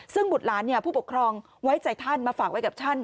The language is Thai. ซึ่งบุตรหลานผู้ปกครองไว้ใจท่านมาฝากไว้กับท่าน